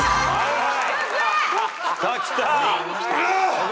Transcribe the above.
はい。